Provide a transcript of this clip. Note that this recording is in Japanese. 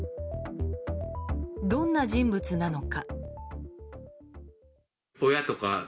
どんな人物なのか。